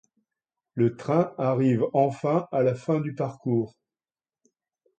Le train arrive enfin à la fin du parcours.